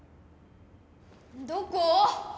どこ？